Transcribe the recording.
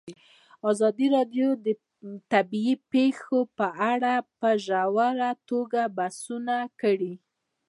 ازادي راډیو د طبیعي پېښې په اړه په ژوره توګه بحثونه کړي.